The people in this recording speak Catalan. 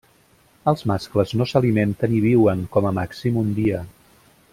Els mascles no s'alimenten i viuen, com a màxim, un dia.